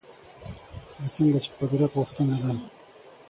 لکه څنګه چې قدرت غوښتنه ده